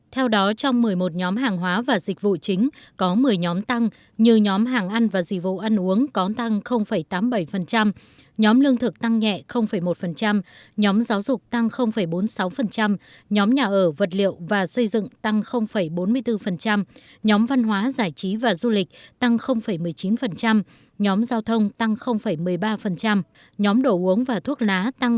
theo đó trong một mươi một nhóm hàng hóa và dịch vụ chính có một mươi nhóm tăng như nhóm hàng ăn và dịch vụ ăn uống có tăng tám mươi bảy nhóm lương thực tăng nhẹ một nhóm giáo dục tăng bốn mươi sáu nhóm nhà ở vật liệu và xây dựng tăng bốn mươi bốn nhóm văn hóa giải trí và du lịch tăng một mươi chín nhóm giao thông tăng một mươi ba nhóm đồ uống và thuốc lá tăng một mươi một